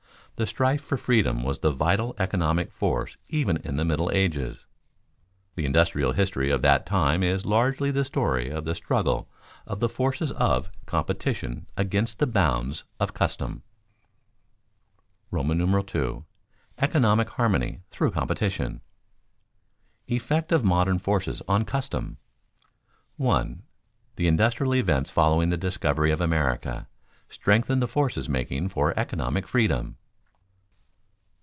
The strife for freedom was the vital economic force even of the Middle Ages. The industrial history of that time is largely the story of the struggle of the forces of competition against the bounds of custom. § II. ECONOMIC HARMONY THROUGH COMPETITION [Sidenote: Effect of modern forces on custom] 1. _The industrial events following the discovery of America strengthened the forces making for economic freedom.